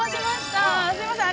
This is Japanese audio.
すみません。